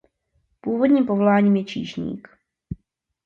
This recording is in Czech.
Původním povoláním je číšník.